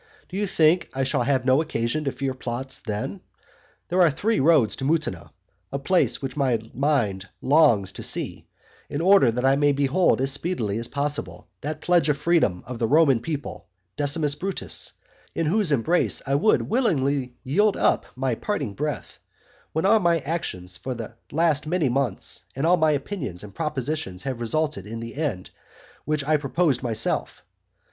Do you think that I shall have no occasion to fear plots then? There are three roads to Mutina, a place which my mind longs to see, in order that I may behold as speedily as possible that pledge of freedom of the Roman people Decimus Brutus, in whose embrace I would willingly yield up my parting breath, when all my actions for the last many months, and all my opinions and propositions have resulted in the end which I proposed to myself.